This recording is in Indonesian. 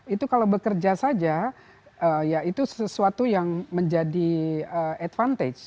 itu kalau bekerja saja ya itu sesuatu yang menjadi advantage